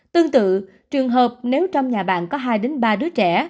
tương tự trường hợp nếu trong nhà bạn có hai ba đứa trẻ